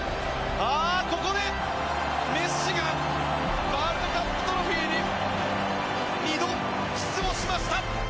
ここでメッシがワールドカップトロフィーに２度、キスをしました！